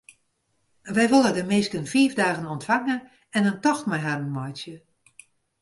Wy wolle de minsken fiif dagen ûntfange en in tocht mei harren meitsje.